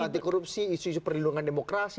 anti korupsi isu isu perlindungan demokrasi